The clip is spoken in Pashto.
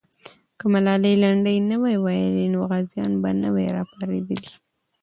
که ملالۍ لنډۍ نه وای ویلې، نو غازیان به نه وای راپارېدلي.